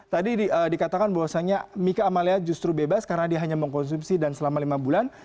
tadi dikatakan bahwasannya mika amalia justru bebas karena dia hanya mengkonsumsi dan selama lima bulan